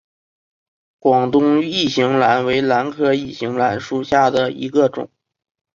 广东异型兰为兰科异型兰属下的一个种。